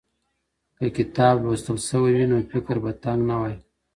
که کتاب لوستل سوی وي نو فکر به تنګ نه واي.